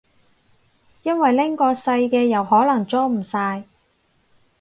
因為拎個細嘅又可能裝唔晒